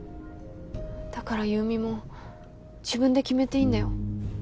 だから優美も自分で決めていいんだよ。